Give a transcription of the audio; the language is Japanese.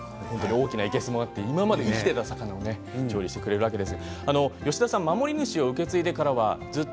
大きな生けすがあって今まで生きていたお魚を料理してくれます。